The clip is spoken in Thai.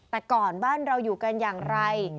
แต่ก่อนบ้านเราอยู่กันอย่างไร